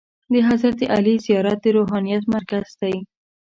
د حضرت علي زیارت د روحانیت مرکز دی.